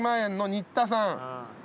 新田さん。